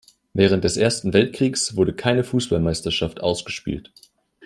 Während des Ersten Weltkriegs wurde keine Fußballmeisterschaft ausgespielt.